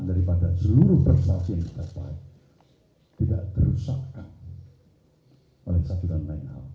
kedua partai sepakat menilai sistem pemilu tertutup adalah bentuk perampasan hak rakyat dan mundurnya demokrasi di tanah air